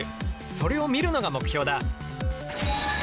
それを見るのが目標だ。